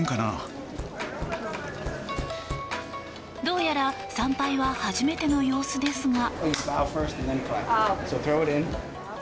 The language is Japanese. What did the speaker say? どうやら参拝は初めての様子ですが。